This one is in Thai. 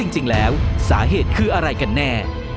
จริงแล้วสาเหตุคืออะไรกันแน่